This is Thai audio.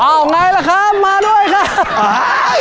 เอาไงล่ะครับมาด้วยครับ